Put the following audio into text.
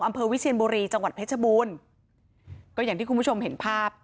อำเภอวิเชียนบุรีจังหวัดเพชรบูรณ์ก็อย่างที่คุณผู้ชมเห็นภาพ